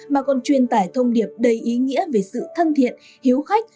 mà còn truyền tải thông điệp đầy ý nghĩa về sự thân thiện hiếu khách